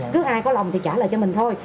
cứ ai có lòng thì trả lời cho mình thôi